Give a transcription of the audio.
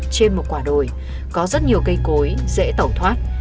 trên một quả đồi có rất nhiều cây cối dễ tẩu thoát